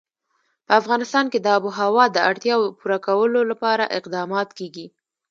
په افغانستان کې د آب وهوا د اړتیاوو پوره کولو لپاره اقدامات کېږي.